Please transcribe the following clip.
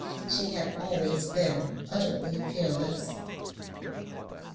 She had always been utterly fearless.